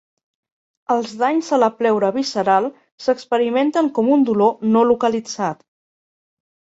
Els danys a la pleura visceral s'experimenten com un dolor no localitzat.